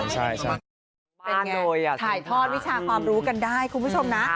ถ่ายท่อนวิชาการความรู้กันได้คุณผู้ชมนะ